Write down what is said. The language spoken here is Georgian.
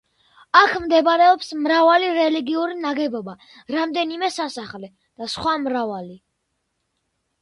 აქ მდებარეობს მრავალი რელიგიური ნაგებობა, რამდენიმე სასახლე და სვა მრავალი.